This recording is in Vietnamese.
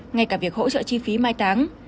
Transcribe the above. ngay cả việc hỗ trợ chi phí mai táng